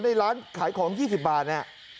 ในร้านขายของ๒๐บาทเนี่ย